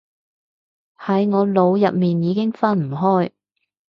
喺我腦入面已經分唔開